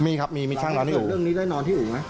มีครับมีมีช่างนอนที่อยู่เรื่องนี้ได้นอนที่อื่นไหม